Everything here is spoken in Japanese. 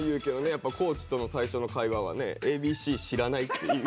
やっぱ地との最初の会話はね「Ａ．Ｂ．Ｃ．知らない」っていう。